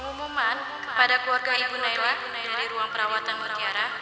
umuman kepada keluarga ibu nelwa dari ruang perawatan buat tiara